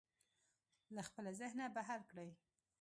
له خپله ذهنه بهر کړئ.